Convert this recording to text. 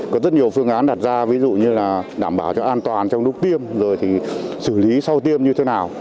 có rất nhiều phương án đặt ra ví dụ như là đảm bảo cho an toàn trong lúc tiêm rồi thì xử lý sau tiêm như thế nào